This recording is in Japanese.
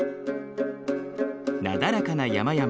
なだらかな山々。